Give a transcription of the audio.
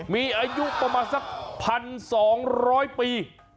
มีอายุประมาณสักพันสองร้อยปี